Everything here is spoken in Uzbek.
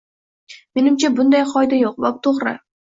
Menimcha, bunday qoida yoʻq va bu toʻgʻri.